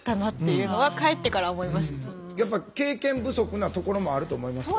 やっぱ経験不足なところもあると思いますよ。